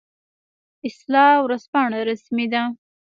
اصلاح ورځپاڼه رسمي ده